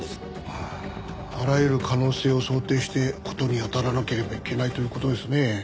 はああらゆる可能性を想定して事にあたらなければいけないという事ですね。